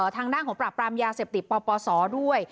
ทางด้านของปราบปรามยาเสพติดปปศด้วย